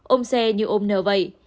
ôm xe như ôm nở vậy